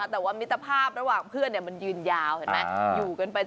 แต่ว่ามิตรภาพระหว่างเพื่อนมันยืนยาวเห็นไหมอยู่กันไป